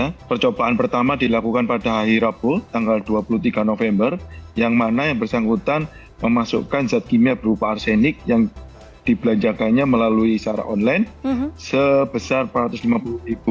nah percobaan pertama dilakukan pada hari rabu tanggal dua puluh tiga november yang mana yang bersangkutan memasukkan zat kimia berupa arsenik yang dibelanjakannya melalui sara online sebesar rp empat ratus lima puluh